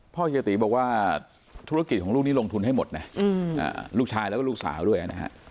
เฮียตีบอกว่าธุรกิจของลูกนี้ลงทุนให้หมดนะลูกชายแล้วก็ลูกสาวด้วยนะฮะ